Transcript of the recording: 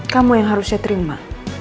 kamu yang harus saya terima